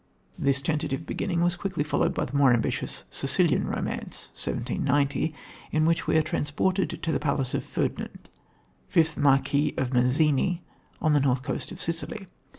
This tentative beginning was quickly followed by the more ambitious Sicilian Romance (1790), in which we are transported to the palace of Ferdinand, fifth Marquis of Mazzini, on the north coast of Sicily.